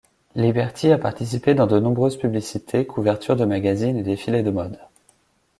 Liberty a participé dans de nombreuses publicités, couvertures de magazines et défilés de mode.